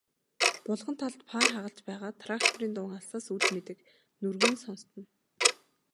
Булган талд паар хагалж байгаа тракторын дуун алсаас үл мэдэг нүргэн сонстоно.